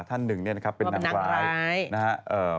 ท่านนึงเป็นน้ำขวายนะครับว่านักร้ายว่านักร้าย